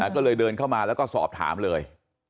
ก็เลยเดินเข้ามาแล้วก็สอบถามเลย